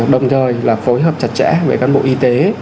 đồng thời là phối hợp chặt chẽ với các bộ y tế